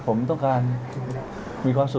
ขอบคุณพี่ด้วยนะครับ